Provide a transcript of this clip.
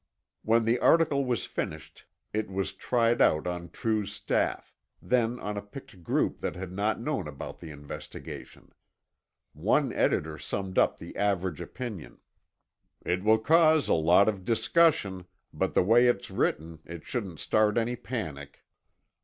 When the article was finished, it was tried out on True's staff, then on a picked group that had not known about the investigation. One editor summed up the average opinion: "It will cause a lot of discussion, but the way it's written, it shouldn't start any panic."